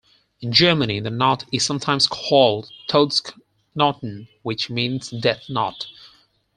In Germany, the knot is sometimes called "todesknoten", which means death knot.